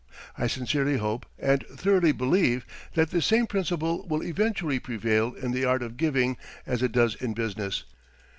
I sincerely hope and thoroughly believe that this same principle will eventually prevail in the art of giving as it does in business.